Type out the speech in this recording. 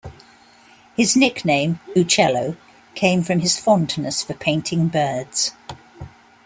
His nickname "Uccello" came from his fondness for painting birds.